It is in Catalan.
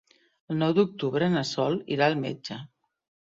El nou d'octubre na Sol irà al metge.